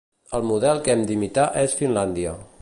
El model que hem d'imitar és Finlàndia.